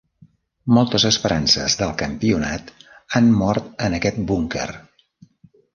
Moltes esperances del campionat han mort en aquest búnquer.